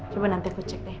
coba nanti aku cek deh